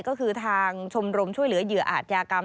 ก็คือทางชมรมช่วยเหลือเหยื่ออาจยากรรม